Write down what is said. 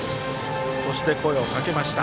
そして、声をかけました。